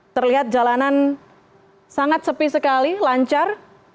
terlihat jalanan sangat sepi sekali lancar